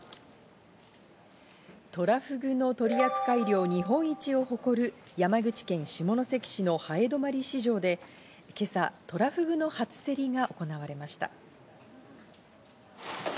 トラフグの取り扱い量日本一を誇る山口県下関市の南風泊市場で今朝トラフグの初競りが行われました。